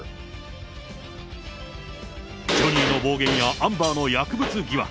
ジョニーの暴言やアンバーの薬物疑惑。